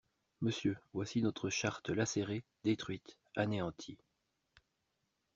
Monsieur, voici notre Charte lacérée, détruite, anéantie!